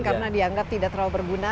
karena dianggap tidak terlalu berguna